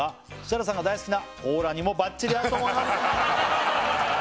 「設楽さんが大好きなコーラにもバッチリ合うと思います」